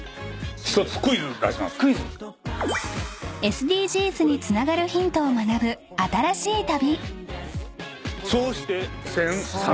［ＳＤＧｓにつながるヒントを学ぶ新しい旅］